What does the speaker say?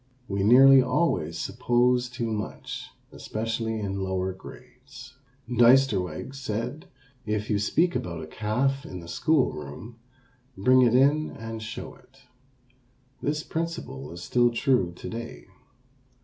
We nearly always suppose too much, especially in lower grades. Diesterweg said: "If you speak about a calf in the school room, bring it in and show it." This principle is still true to day.